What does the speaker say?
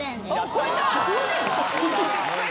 超えた。